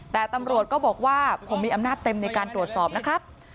แต่ตำรวจก็บอกว่าผมมีอำนาจเต็มในการตรวจสอบนะครับ